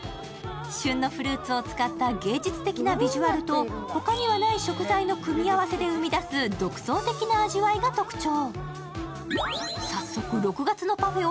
旬のフルーツを使った芸術的なビジュアルとほかにはない食材の組み合わせで生み出す独創的な味わいが特徴。